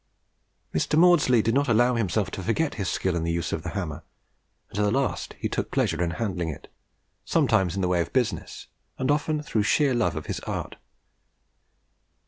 Mr. Maudslay did not allow himself to forget his skill in the use of the hammer, and to the last he took pleasure in handling it, sometimes in the way of business, and often through sheer love of his art.